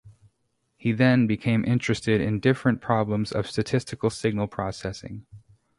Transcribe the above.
He then became interested in different problems of statistical signal processing.